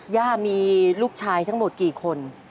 ย่ามีลูกชายทั้งหมดกี่คน